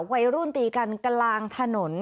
วัยรุ่นตีกันกลางถนน